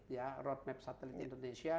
ya roadmap satelit indonesia